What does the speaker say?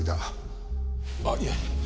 あっいえ。